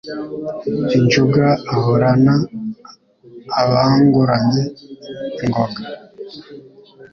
Injunga ahorana abanguranye ingoga